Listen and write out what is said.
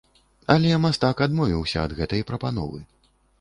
Але мастак адмовіўся ад гэтай прапановы.